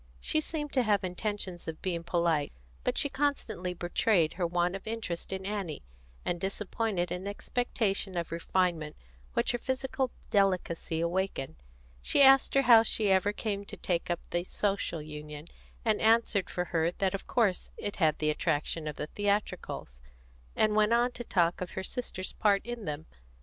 She seemed to have intentions of being polite; but she constantly betrayed her want of interest in Annie, and disappointed an expectation of refinement which her physical delicacy awakened. She asked her how she ever came to take up the Social Union, and answered for her that of course it had the attraction of the theatricals, and went on to talk of her sister's part in them.